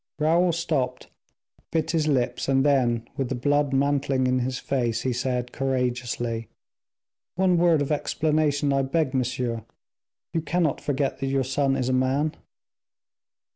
Raoul stopped, bit his lips, and then, with the blood mantling in his face, he said, courageously, "One word of explanation, I beg, monsieur. You cannot forget that your son is a man."